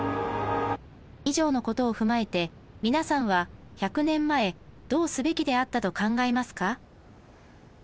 以上のことを踏まえて皆さんは１００年前どうすべきであったと考えますか？